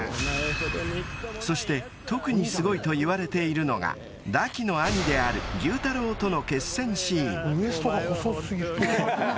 ［そして特にすごいといわれているのが堕姫の兄である妓夫太郎との決戦シーン］